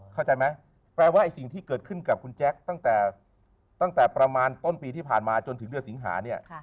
เข้าใจไหมแปลว่าไอ้สิ่งที่เกิดขึ้นกับคุณแจ๊คตั้งแต่ประมาณต้นปีที่ผ่านมาจนถึงเดือนสิงหาเนี่ย